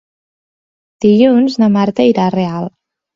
Dilluns na Marta irà a Real.